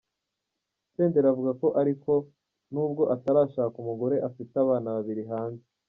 Senderi avuga ko ariko nubwo atarashaka umugore afite abana babiri hanze.